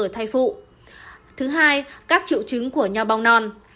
thứ hai các triệu chứng của nhau bong non